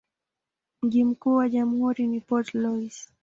Mji mkuu wa jamhuri ni Port Louis.